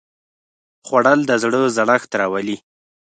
خوړل د زړه سړښت راولي